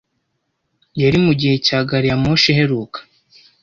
Yari mugihe cya gari ya moshi iheruka.